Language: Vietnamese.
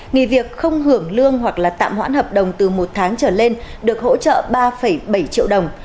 nghỉ việc không hưởng lương hoặc là tạm hoãn hợp đồng từ một tháng trở lên được hỗ trợ ba bảy triệu đồng